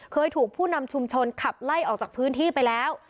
เคยถูกผู้นำชุมชนขับไล่ออกจากพื้นที่ไปแล้ว